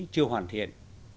chưa hoàn thiện